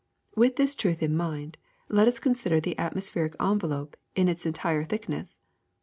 With this truth in mind let us con sider the atmospheric envelop in its entire thickness.